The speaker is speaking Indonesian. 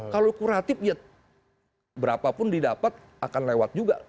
kalau kuratif ya berapa pun didapat akan lewat juga